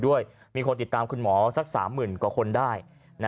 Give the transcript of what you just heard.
วันนี้ติดตามคุณหมอ๓หมื่นคนได้